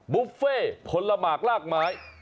บุฟเฟ่ผลหมากลากไม้